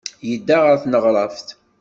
Yedda ɣer tneɣraft.